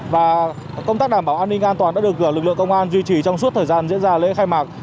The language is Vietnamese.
và công tác đảm bảo an ninh an toàn đã được lực lượng công an duy trì trong suốt thời gian diễn ra lễ khai mạc